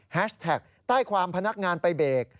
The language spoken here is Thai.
แท็กใต้ความพนักงานไปเบรก